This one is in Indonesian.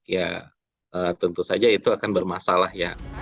ya tentu saja itu akan bermasalah ya